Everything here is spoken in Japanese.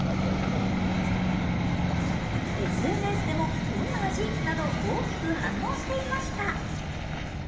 ＳＮＳでも、どんな味？など大きく反応していました。